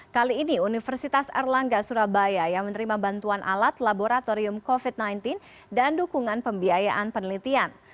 kali ini universitas erlangga surabaya yang menerima bantuan alat laboratorium covid sembilan belas dan dukungan pembiayaan penelitian